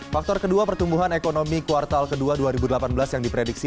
faktor kedua pertumbuhan ekonomi kuartal ke dua dua ribu delapan belas yang diprediksi